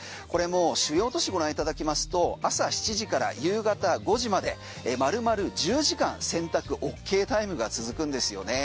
主要都市ご覧いただきますと朝７時から夕方５時まで丸々１０時間洗濯ＯＫタイムが続くんですよね。